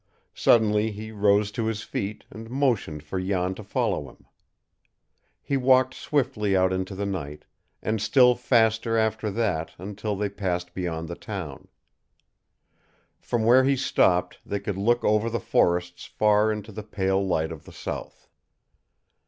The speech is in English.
Suddenly he rose to his feet and motioned for Jan to follow him. He walked swiftly out into the night, and still faster after that, until they passed beyond the town. From where he stopped they could look over the forests far into the pale light of the south.